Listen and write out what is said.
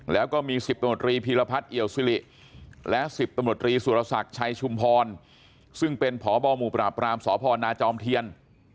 แล้วก็มี๑๐ตำรวจรีพีรพัฒน์เอี่ยวซิริและ๑๐ตำรวจรีสุรศักดิ์ชัยชุมพรซึ่งเป็นพบหมู่ปราบรามสพนาจอมเทียน